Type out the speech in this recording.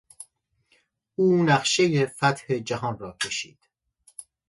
او نقشهی فتح جهان را کشید.